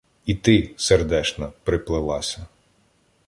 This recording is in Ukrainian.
І ти, сердешна, приплелася